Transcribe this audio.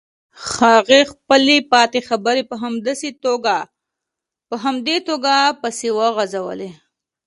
هغې خپلې پاتې خبرې په همدې توګه پسې وغزولې.